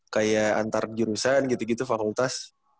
kayak antar jurusan gitu gitu fakultas